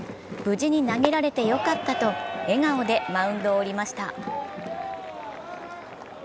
無事に投げられてよかったと、笑顔でマウンドを下りました。